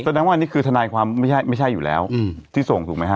แสดงว่าอันนี้คือทนายความไม่ใช่ไม่ใช่อยู่แล้วที่ส่งถูกไหมฮ